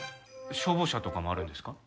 消防車とかもあるんですか？